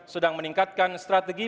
sedang meningkatkan strategi